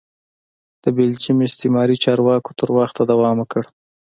د بلجیم استعماري چارواکو تر وخته دوام وکړ.